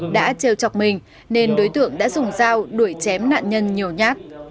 đã treo chọc mình nên đối tượng đã dùng dao đuổi chém nạn nhân nhiều nhát